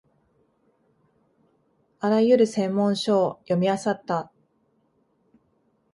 あらゆる専門書を読みあさった